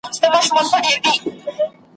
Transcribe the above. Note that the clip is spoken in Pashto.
چی خوله پوری په نغمه کی زما زړه هم ورته گډېږی `